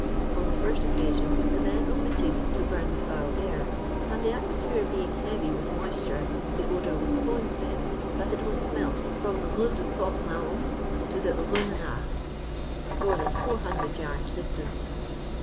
On the first occasion, the men omitted to bum the foul air, and the atmosphere being heavy with moisture, the odour was so intense that it was smelt from the Rue du Port Mahon to the Rue Menars, more than 400 yards distant.